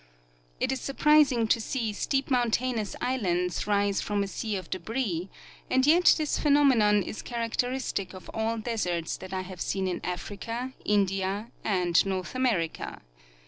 It is surprising to see steep mountainous islands rise from a sea of debris, and yet this phenomenon is characteristic of all deserts that I have seen in Africa, India and North America.